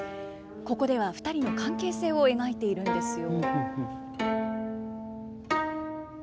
ここでは２人の関係性を描いているんですよ。